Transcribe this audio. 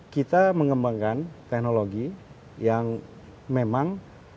kita mengembangkan teknologi yang memang